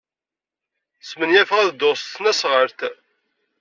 Smenyafeɣ ad dduɣ s tesnasɣalt.